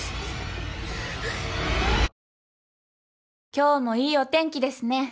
・今日もいいお天気ですね。